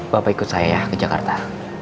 bapak ikut saya ya ke jakarta